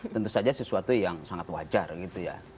tentu saja sesuatu yang sangat wajar gitu ya